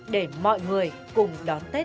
để mọi người cùng đón tết trọn vẹn